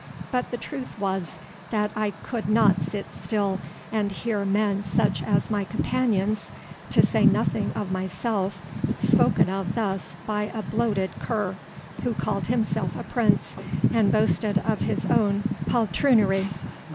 But the truth was that I could not sit still and hear men such as my companions, to say nothing of myself, spoken of thus by a bloated cur, who called himself a prince and boasted of his own poltroonery.